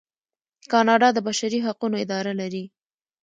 کاناډا د بشري حقونو اداره لري.